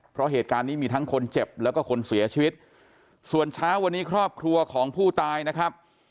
เพราะเหตุการณ์นี้มีทั้งคนเจ็บแล้วก็คนเสียชีวิตส่วนเช้าวันนี้ครอบครัวของผู้ตายนะครับ